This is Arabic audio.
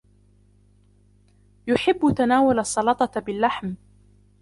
يحب تناول السلطة باللحم.